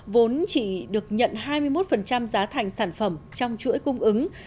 vốn chỉ được nhận hai mươi một giá thành sản phẩm trong chuỗi cung ứng